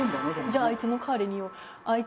じゃあいつの代わりに言おう